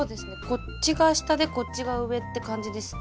こっちが下でこっちが上って感じですね。